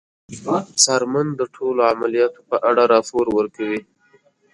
څارمن د ټولو عملیاتو په اړه راپور ورکوي.